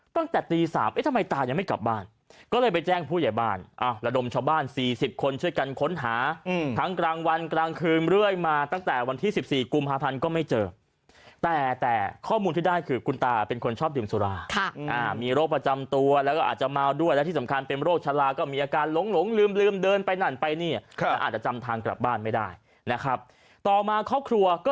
ลุงกะซู่พร้อมโอ้โหเห็นไหมลุงกะซู่พร้อมโอ้โหเห็นไหมลุงกะซู่พร้อมโอ้โหเห็นไหมลุงกะซู่พร้อมโอ้โหเห็นไหมลุงกะซู่พร้อมโอ้โหเห็นไหมลุงกะซู่พร้อมโอ้โหเห็นไหมลุงกะซู่พร้อมโอ้โหเห็นไหมลุงกะซู่พร้อมโอ้โหเห็นไหมลุงกะซู่พร้อมโอ้โหเห็